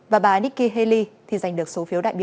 và bà nikki haley thì giành được số phiếu đại biểu